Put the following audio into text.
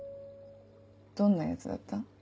どんなヤツだった？